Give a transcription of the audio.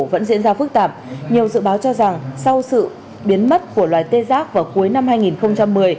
vẫn diễn ra phức tạp nhiều dự báo cho rằng sau sự biến mất của loài tê giác vào cuối năm hai nghìn một mươi